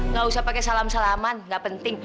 nggak usah pakai salam salaman nggak penting